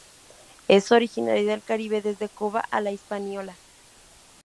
Es originario del Caribe desde Cuba a la Hispaniola.